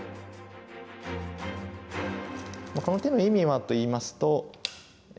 この手の意味はといいますと。